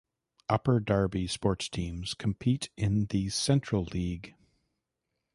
Upper Darby sports teams compete in the Central League.